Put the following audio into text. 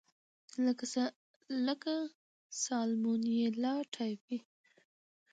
لکه سالمونیلا ټایفي.